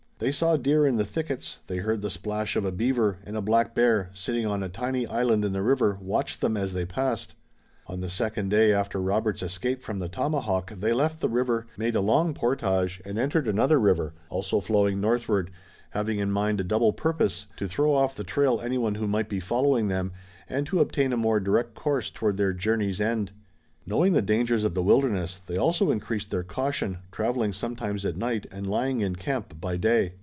They saw deer in the thickets, they heard the splash of a beaver, and a black bear, sitting on a tiny island in the river, watched them as they passed. On the second day after Robert's escape from the tomahawk they left the river, made a long portage and entered another river, also flowing northward, having in mind a double purpose, to throw off the trail anyone who might be following them and to obtain a more direct course toward their journey's end. Knowing the dangers of the wilderness, they also increased their caution, traveling sometimes at night and lying in camp by day.